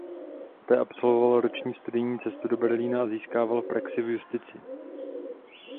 Poté absolvoval roční studijní cestu do Berlína a získával praxi v justici.